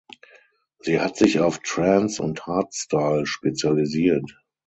Sie hat sich auf Trance und Hardstyle spezialisiert.